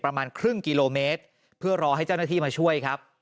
ประมาณครึ่งกิโลเมตรเพื่อรอให้เจ้าหน้าที่มาช่วยครับ